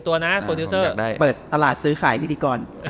ประโดรส่งเปิดตลาดซื้อขายพิธีกร